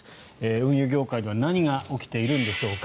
運輸業界では何が起きているんでしょうか。